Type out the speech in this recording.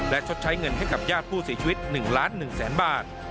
และชดใช้เงินให้กับญาติผู้เสียชีวิต๑ล้าน๑แสนบาท